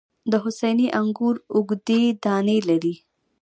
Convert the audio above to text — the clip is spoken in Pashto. د حسیني انګور اوږدې دانې لري.